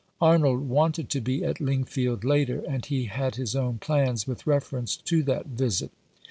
Arnold wanted to be at Lingfield later, and he had his own plans with reference to that visit.